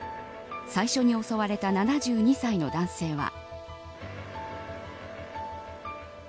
最初に襲われた７２歳の男性は。